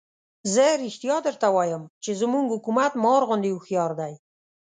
زه رښتیا درته وایم چې زموږ حکومت مار غوندې هوښیار دی.